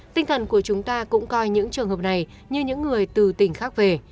tinh thần của chúng ta cũng coi những trường hợp này như những người từ tỉnh khác về